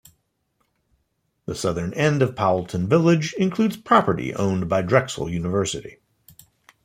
The southern end of Powelton Village includes property owned by Drexel University.